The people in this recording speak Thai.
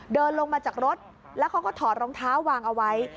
เดินลงมาจากรถแล้วเขาก็ถอดรองเท้าวางเอาไว้